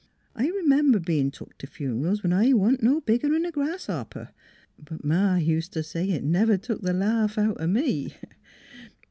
I r'member bein' took t' fun'rals when I wa'n't no bigger 'n a grasshopper. But Ma ust t' say it never took th' laugh out o' me.